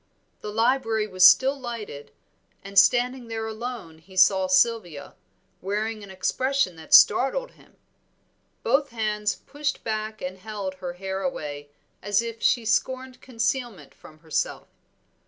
The library was still lighted, and standing there alone he saw Sylvia, wearing an expression that startled him. Both hands pushed back and held her hair away as if she scorned concealment from herself.